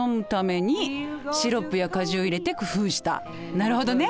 なるほどね。